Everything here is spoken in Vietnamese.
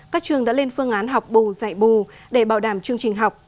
các trường đã lên phương án học bù dạy bù để bảo đảm chương trình học